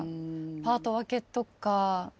パート分けとか。